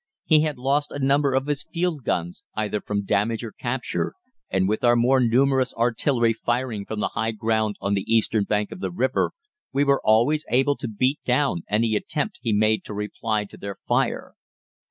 He had lost a number of his field guns, either from damage or capture, and with our more numerous artillery firing from the high ground on the eastern bank of the river we were always able to beat down any attempt he made to reply to their fire.